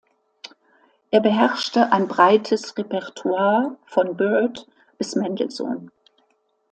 Er beherrschte ein breites Repertoire von Byrd bis Mendelssohn.